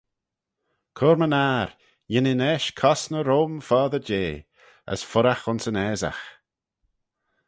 Cur-my-ner, yinnin eisht cosney roym foddey jeh: as fuirraght ayns yn aasagh.